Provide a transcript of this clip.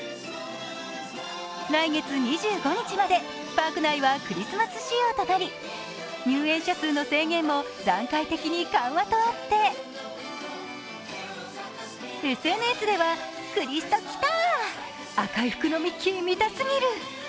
来月２５日までパーク内はクリスマス仕様となり入園者数の制限も段階的に緩和とあって、ＳＮＳでは、大バズりだった。